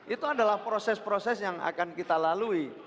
itu adalah proses proses yang akan kita lalui